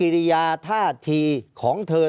ภารกิจสรรค์ภารกิจสรรค์